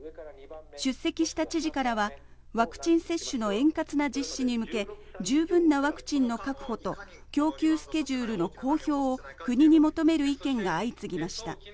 出席した知事からは、ワクチン接種の円滑な実施に向け、十分なワクチンの確保と、供給スケジュールの公表を国に求める意見が相次ぎました。